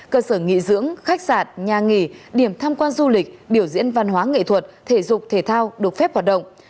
cơ sở nghỉ dưỡng khách sạn nhà nghỉ điểm tham quan du lịch biểu diễn văn hóa nghệ thuật thể dục thể thao được phép hoạt động